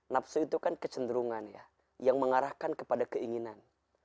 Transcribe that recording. nafsu itu kan kecenderungan ya yang mengarahkan kepada keinginan